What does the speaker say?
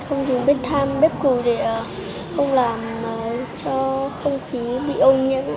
không dùng bếp than bếp cừu để không làm cho không khí bị ô nhiễm